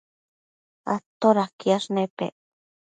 todaquiash nepec?